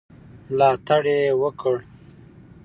ملاتړ یې وکړ.